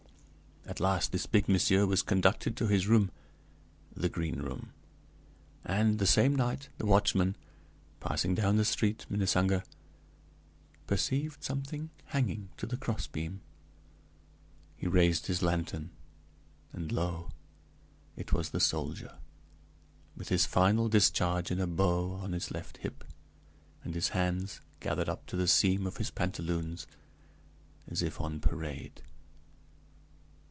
At last this big monsieur was conducted to his room the Green Room and, the same night, the watchman, passing down the street Minnesänger, perceived something hanging to the crossbeam; he raised his lantern, and lo! it was the soldier, with his final discharge in a bow on his left hip, and his hands gathered up to the seam of his pantaloons, as if on parade.